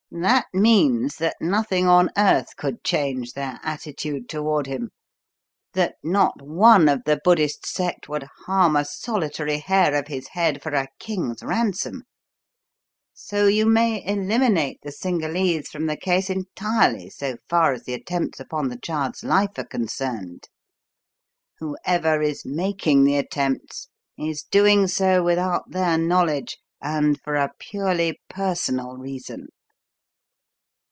That means that nothing on earth could change their attitude toward him, that not one of the Buddhist sect would harm a solitary hair of his head for a king's ransom; so you may eliminate the Cingalese from the case entirely so far as the attempts upon the child's life are concerned. Whoever is making the attempts is doing so without their knowledge and for a purely personal reason."